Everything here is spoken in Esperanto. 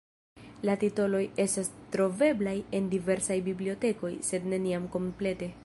La titoloj estas troveblaj en diversaj bibliotekoj, sed neniam komplete.